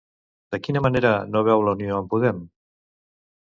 De quina manera no veu la unió amb Podem?